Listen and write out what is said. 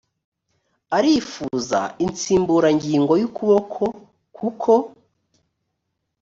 arifuza insimburangingo y ukuboko kuko